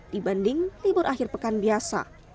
dibanding libur akhir pekan biasa